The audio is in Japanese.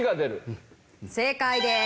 正解です。